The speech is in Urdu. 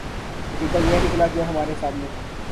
نتیجہ یہ نکلا جو ہمارے سامنے ہے۔